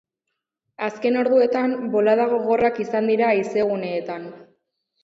Azken orduetan, bolada gogorrak izan dira haizeguneetan.